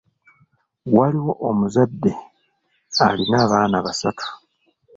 Waaliwo omuzadde alina abaana basaatu.